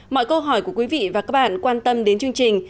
mọi câu hỏi của quý vị và các bạn quan tâm đến chương trình